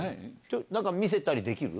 何か見せたりできる？